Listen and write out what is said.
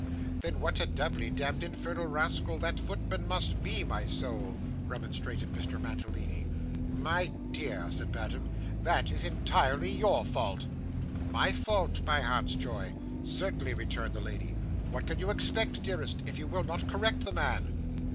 'Then what a doubly demd infernal rascal that footman must be, my soul,' remonstrated Mr. Mantalini. 'My dear,' said Madame, 'that is entirely your fault.' 'My fault, my heart's joy?' 'Certainly,' returned the lady; 'what can you expect, dearest, if you will not correct the man?